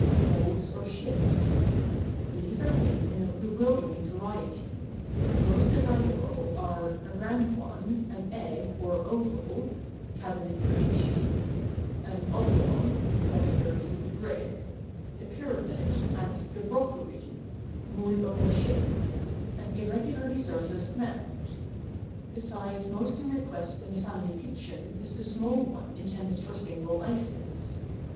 MOLDS OR SHAPES. These are made in bewildering variety. The most desir¬ able are: A round one, an egg, or oval (cabinet pudding shape), an oblong (popularly, " the brick"), the pyramid, and "the rockery " (;moule au rocher ), an irregularly surfaced mound. The size most in request in the family kitchen is the small one intended for single ices.